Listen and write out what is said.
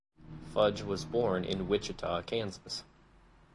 Fudge was born in Wichita, Kansas.